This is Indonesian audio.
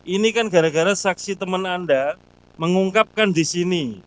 ini kan gara gara saksi teman anda mengungkapkan di sini